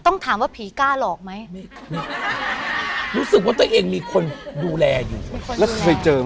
ต้องถามว่าผีกล้าหลอกไหมนี่รู้สึกว่าตัวเองมีคนดูแลอยู่แล้วเคยเจอไหม